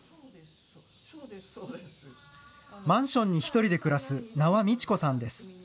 マンションに１人で暮らす名和道子さんです。